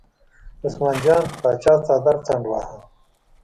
عثمان جان پاچا څادر څنډ واهه.